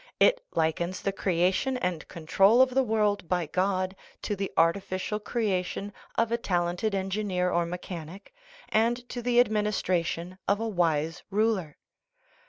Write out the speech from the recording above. It likens the creation and control of the world by God to the artificial creation of a tal ented engineer or mechanic, and to the administration of a wise ruler.